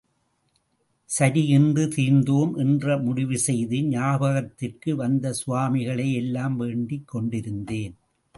சரி இன்று தீர்ந்தோம் என்று முடிவு செய்து, ஞாபத்திற்கு வந்த சுவாமிகளை எல்லாம் வேண்டிக் கொண்டிருந்தேன்.